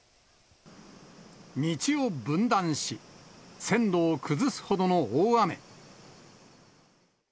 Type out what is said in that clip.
道を分断し、線路を崩すほどの大雨。